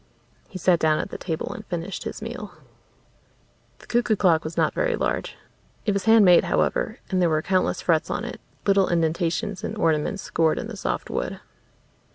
He sat down at the table and finished his meal. The cuckoo clock was not very large. It was hand made, however, and there were countless frets on it, little indentations and ornaments scored in the soft wood.